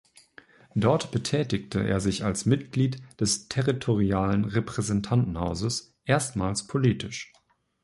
Dort betätigte er sich als Mitglied des territorialen Repräsentantenhauses erstmals politisch.